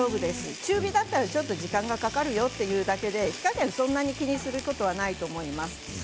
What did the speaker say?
中火だから時間がかかるよというだけで火加減はそんなに気にすることないと思います。